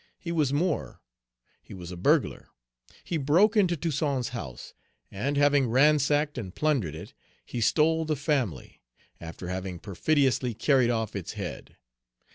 He was more, he was a burglar; he broke into Toussaint's house, and, having ransacked and plundered it, he stole the family, after having perfidiously carried off its head.